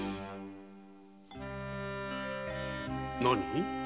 何？